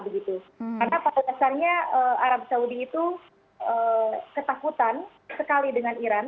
karena pada dasarnya arab saudi itu ketakutan sekali dengan iran